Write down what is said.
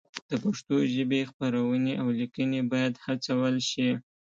د پښتو ژبې خپرونې او لیکنې باید هڅول شي.